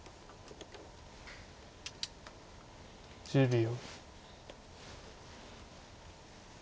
１０秒。